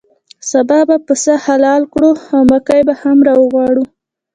سبا به پسه حلال کړو او مکۍ به هم راوغواړو.